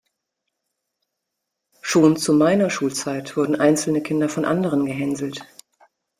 Schon zu meiner Schulzeit wurden einzelne Kinder von anderen gehänselt.